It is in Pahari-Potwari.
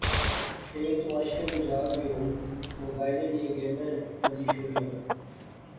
کھیل تماشیاں نی جاغ وی ہُن موبائلے نئیں گیمیں ملی شوڑی